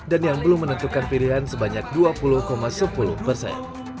dan yang belum menentukan pilihan sebanyak dua puluh sepuluh persen